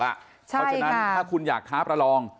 เพราะฉะนั้นถ้าคุณอยากท้าประลอง